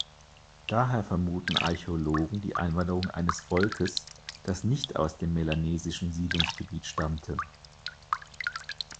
Daher vermuten Archäologen die Einwanderung eines Volkes, das nicht aus dem melanesischen Siedlungsgebiet stammte.